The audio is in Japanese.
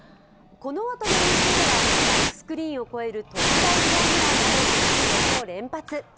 このあとの練習では、バックスクリーンを越える特大ホームランなど柵越えを連発。